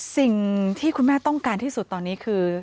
สิ่งที่คุณแม่ต้องการที่สุดตอนนี้คือ